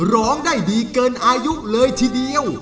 ร้องได้ดีเกินอายุเลยทีเดียว